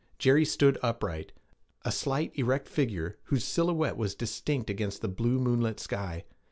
Jerry stood upright a slight, erect figure, whose silhouette was distinct against the blue moonlit sky.